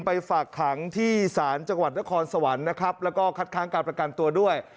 ฝากขังที่ศาลจังหวัดนครสวรรค์นะครับแล้วก็คัดค้างการประกันตัวด้วย